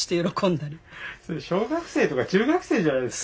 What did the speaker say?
それ小学生とか中学生じゃないですか。